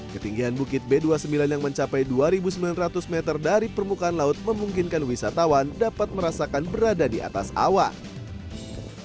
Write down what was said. ketinggian bukit b dua puluh sembilan yang mencapai dua sembilan ratus meter dari permukaan laut memungkinkan wisatawan dapat merasakan berada di atas awan